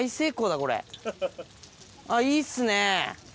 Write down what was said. あぁいいっすねぇ。